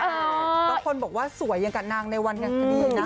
ป้องคนบอกว่าสวยยังกับนางในวันแต่นี้น่ะ